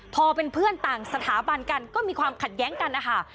พอเป็นเพื่อนต่างสถาบันกันก็มีความขัดแย้งกันนะคะ